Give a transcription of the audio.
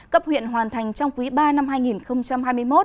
cấp huyện hoàn thành trong quý ba năm hai nghìn hai mươi một